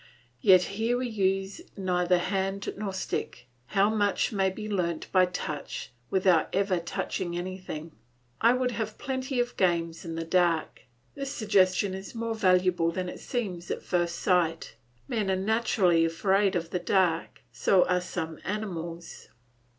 Yet here we use neither hand nor stick. How much may be learnt by touch, without ever touching anything! I would have plenty of games in the dark! This suggestion is more valuable than it seems at first sight. Men are naturally afraid of the dark; so are some animals.